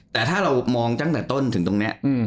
แต่ถ้าเรามองตั้งแต่ต้นถึงตรงนี้